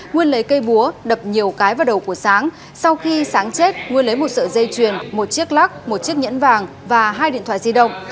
nguyên lấy cây búa đập nhiều cái vào đầu của sáng sau khi sáng chết nguyên lấy một sợi dây chuyền một chiếc lắc một chiếc nhẫn vàng và hai điện thoại di động